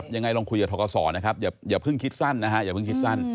ยังไงลองคุยกับทกศนะครับอย่าเพิ่งคิดสั้นนะฮะอย่าเพิ่งคิดสั้น